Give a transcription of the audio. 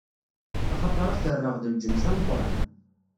Axaṭer ad t-rreɣ d lǧens ameqran.